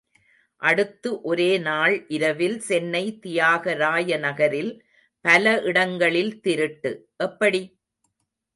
அடுத்து ஒரே நாள் இரவில் சென்னை தியாகராய நகரில் பல இடங்களில் திருட்டு—எப்படி?